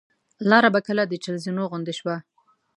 لاره به کله د چهل زینو غوندې شوه.